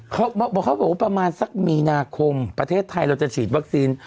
เขาบอกว่าประมาณสักมีนาคมประเทศไทยเราจะฉีดวัคซีน